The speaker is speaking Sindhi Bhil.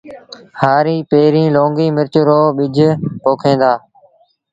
هآريٚ پيريٚݩ لونگي مرچ رو ٻج پوکين دآ